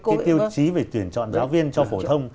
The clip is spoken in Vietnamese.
cái tiêu chí về tuyển chọn giáo viên cho phổ thông